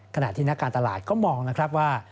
ขณะที่นักการตลาดก็มองนะครับว่า